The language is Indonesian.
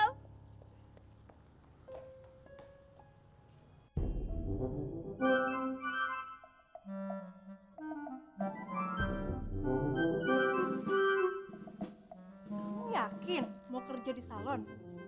kamu yakin mau kerja di salon